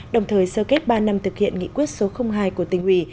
đồng thời sơ kết ba năm thực hiện nghị quyết số hai của tình huy